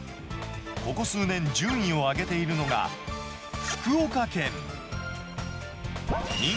ここ数年、順位を上げているのが、福岡県。